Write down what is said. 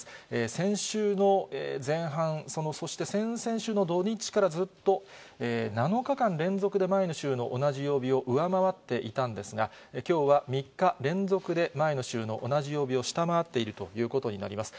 先週の前半、そして先々週の土日からずっと、７日間連続で前の週の同じ曜日を上回っていたんですが、きょうは３日連続で前の週の同じ曜日を下回っているということになります。